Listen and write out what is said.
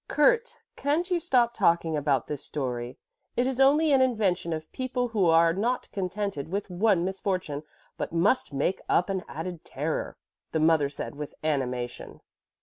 "Kurt, can't you stop talking about this story? It is only an invention of people who are not contented with one misfortune but must make up an added terror," the mother said with animation.